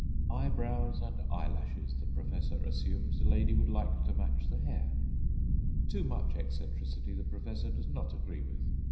Eyebrows and eyelashes, the professor assumes, the lady would like to match the hair. Too much eccentricity the professor does not agree with.